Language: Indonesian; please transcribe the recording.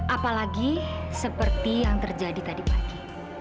apalagi seperti yang terjadi tadi pagi